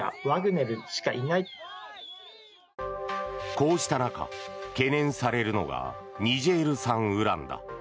こうした中、懸念されるのがニジェール産ウランだ。